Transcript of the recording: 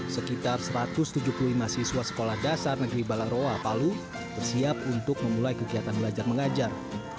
sekitar satu ratus tujuh puluh lima siswa sekolah dasar negeri balaroa palu bersiap untuk memulai kegiatan belajar mengajar